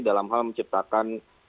dalam hal menciptakan